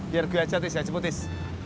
biar gue aja tis ya jemput tis